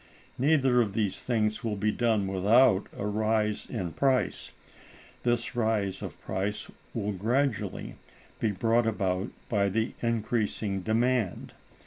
Neither of these things will be done without a rise in price. This rise of price will gradually be brought about by the increasing demand.